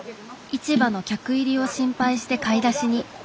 市場の客入りを心配して買い出しに。